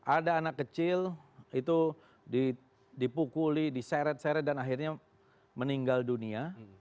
ada anak kecil itu dipukuli diseret seret dan akhirnya meninggal dunia